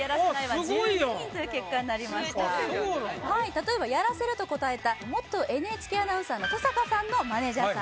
例えば「やらせる」と答えた元ＮＨＫアナウンサーの登坂さんのマネージャーさん